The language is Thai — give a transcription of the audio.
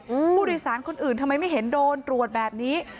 ผู้โดยสารคนอื่นทำไมไม่เห็นโดนตรวจแบบนี้